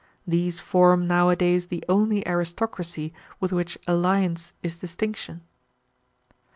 These form nowadays the only aristocracy with which alliance is distinction.